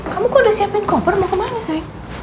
kamu kok udah siapin koper mau ke mana sayang